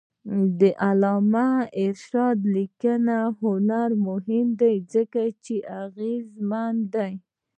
د علامه رشاد لیکنی هنر مهم دی ځکه چې اغېزمن دی.